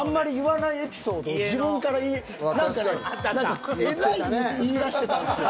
何かねえらい言いだしてたんですよ。